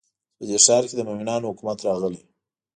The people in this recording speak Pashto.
اوس په دې ښار کې د مؤمنانو حکومت راغلی.